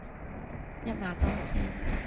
一馬當先